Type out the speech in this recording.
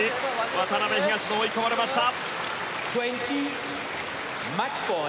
渡辺、東野追い込まれました。